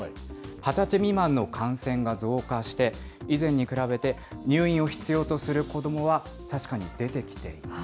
２０歳未満の感染が増加して、以前に比べて入院を必要とする子どもは確かに出てきています。